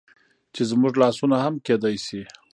چې زموږ لاسونه هم کيدى شي